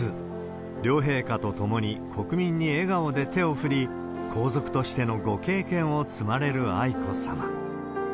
両陛下と共に、国民に笑顔で手を振り、皇族としてのご経験を積まれる愛子さま。